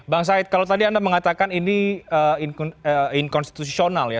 bang said kalau tadi anda mengatakan ini inkonstitusional ya